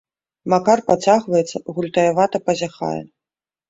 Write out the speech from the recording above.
Макар пацягваецца, гультаявата пазяхае.